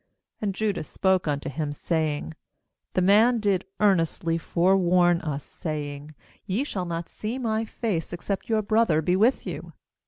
7 3And Judah spoke unto him, saying: 'The man did earnestly forewarn us, saying: Ye shall not see my face, except your brother be with you.